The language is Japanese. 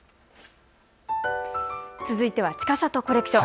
続いてはちかさとコレクション。